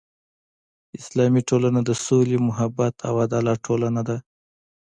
اسلامي ټولنه د سولې، محبت او عدالت ټولنه ده.